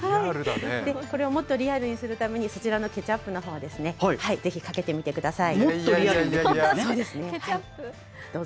これをもっとリアルにするために、そちらのケチャップをぜひかけてみてください。